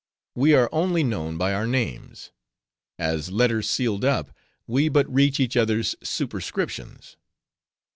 We are only known by our names; as letters sealed up, we but read each other's superscriptions.